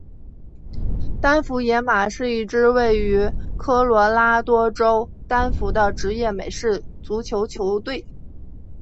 丹佛野马是一支位于科罗拉多州丹佛的职业美式足球球队。